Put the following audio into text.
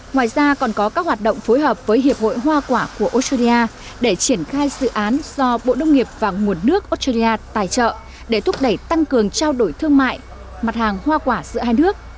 ngoài ra còn có các hoạt động phối hợp với hiệp hội hoa quả của australia để triển khai dự án do bộ nông nghiệp và nguồn nước australia tài trợ để thúc đẩy tăng cường trao đổi thương mại mặt hàng hoa quả giữa hai nước